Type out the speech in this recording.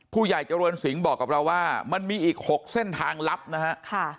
ผู้ใหญ่เจริญสิงห์บอกกับเราว่ามันมีอีก๖เส้นทางลับนะฮะ